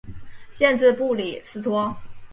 县治布里斯托。